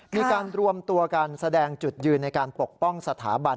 มีการรวมตัวกันแสดงจุดยืนในการปกป้องสถาบัน